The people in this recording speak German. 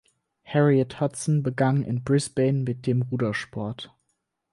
Harriet Hudson begann in Brisbane mit dem Rudersport.